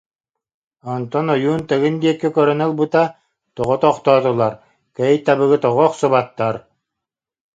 Онтон ойуун Тыгын диэки кѳрѳн ылбыта,— Тоҕо тохтоотулар, Кэй Табыгы тоҕо охсубаттар?